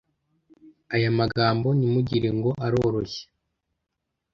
ayamagambo ntimugire ngo aroroshye